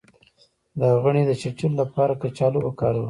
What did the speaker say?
د غڼې د چیچلو لپاره کچالو وکاروئ